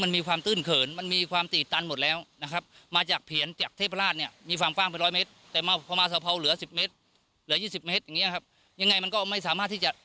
มันมีปัญหามาถึงเกือบ๓๐ปีแล้วนะครับ